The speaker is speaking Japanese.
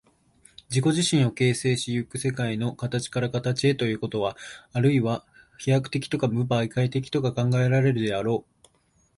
自己自身を形成し行く世界の形から形へということは、あるいは飛躍的とか無媒介的とか考えられるであろう。